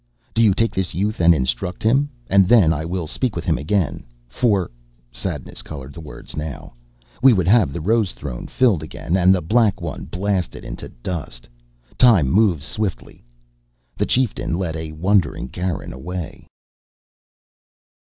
"Do you take this youth and instruct him. And then will I speak with him again. For " sadness colored the words now "we would have the rose throne filled again and the black one blasted into dust. Time moves swiftly." The Chieftain led a wondering Garin away.